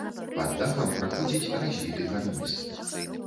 Пад дахам праходзіць развіты карніз.